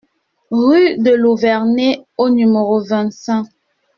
Rue de Louverné au numéro vingt-cinq